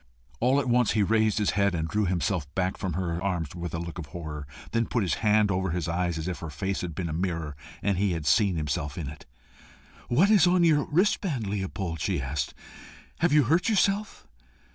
All at once he raised his head and drew himself back from her arms with a look of horror, then put his hand over his eyes, as if her face had been a mirror and he had seen himself in it. "What is that on your wristband, Leopold?" she asked. "Have you hurt yourself?"